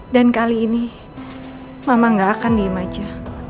dan kali ini mama gak akan diem aja